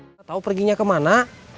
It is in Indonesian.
tidak tahu perginya kemana